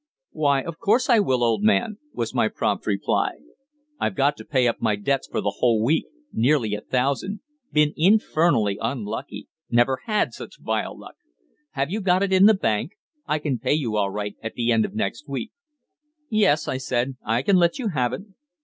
"Why, of course I will, old man," was my prompt reply. "I've got to pay up my debts for the whole week nearly a thousand. Been infernally unlucky. Never had such vile luck. Have you got it in the bank? I can pay you all right at the end of next week." "Yes," I said, "I can let you have it."